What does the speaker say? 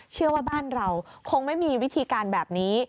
เชื่อว่าบ้านเราคงไม่มีวิธีการแบบนี้